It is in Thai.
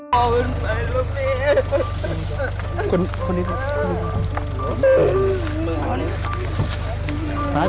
พี่บอกไว้ฟะลูกมิ